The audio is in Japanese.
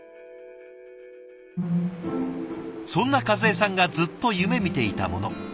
そんな和江さんがずっと夢みていたもの。